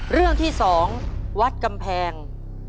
เรื่องที่๒วัดกำแพง